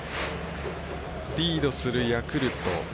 リードするヤクルト。